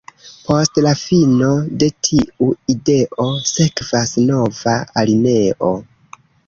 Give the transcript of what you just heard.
Post la fino de tiu ideo, sekvas nova alineo.